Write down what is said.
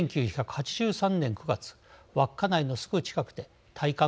１９８３年９月稚内のすぐ近くで大韓